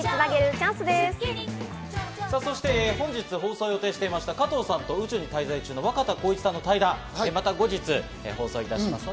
本日放送を予定していました加藤さんと宇宙に滞在中の若田光一さんの対談、また後日放送いたします。